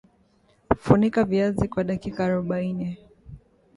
funika viazi kwa dakika arobaini